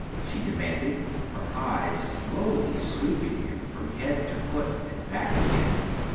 she demanded, her eyes slowly sweeping him from head to foot and back again.